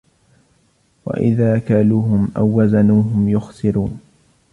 وَإِذَا كَالُوهُمْ أَوْ وَزَنُوهُمْ يُخْسِرُونَ